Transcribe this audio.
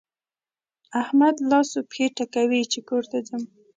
احمد لاس و پښې ټکوي چې کور ته ځم.